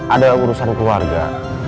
ada urusan keluarga